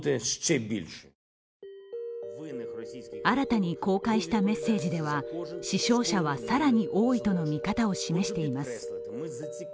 新たに公開したメッセージでは死傷者は更に多いとの見方を示しています。